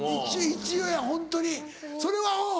一応やホントにそれはうん。